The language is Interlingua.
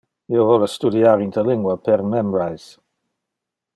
Io vole studiar interlingua per Memrise